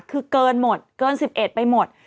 คือเกินหมดเกิน๑๑ไปหมด